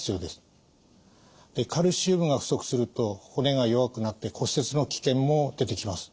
カルシウムが不足すると骨が弱くなって骨折の危険も出てきます。